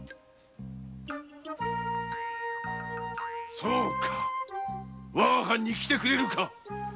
そうかわが藩にきてくれるか。